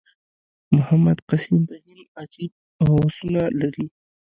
محمد قسیم فهیم عجیب هوسونه لري.